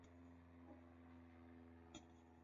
山棕为棕榈科桄榔属下的一个种。